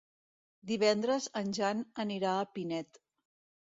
Divendres en Jan anirà a Pinet.